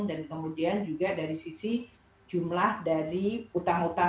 dan kemudian juga dari sisi jumlah dan kualitas